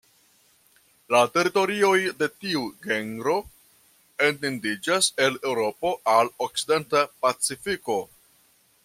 La teritorioj de tiu genro etendiĝas el Eŭropo al okcidenta Pacifiko.